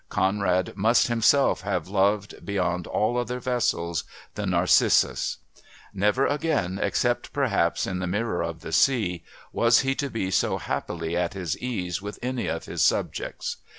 Conrad must himself have loved, beyond all other vessels, the Narcissus. Never again, except perhaps in The Mirror of the Sea, was he to be so happily at his ease with any of his subjects.